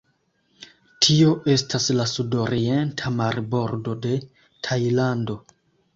Tio estas la sudorienta marbordo de Tajlando.